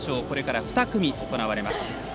これから２組、行われます。